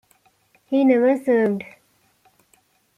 He never served.